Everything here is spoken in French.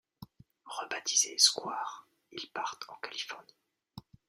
Rebaptisé Square, ils partent en Californie.